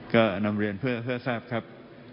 ก็นำเรียนเพื่อทราบครับ